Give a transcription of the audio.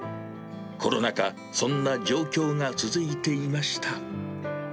コロナ禍、そんな状況が続いていました。